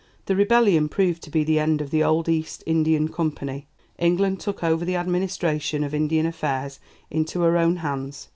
The rebellion proved to be the end of the old East Indian Company. England took over the administration of Indian affairs into her own hands.